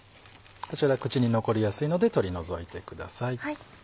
こちら口に残りやすいので取り除いてください。